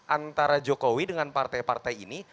antara jokowi dengan partai partai ini